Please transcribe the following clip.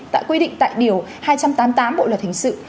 đã quy định tại điều hai trăm tám mươi tám bộ lực hình sự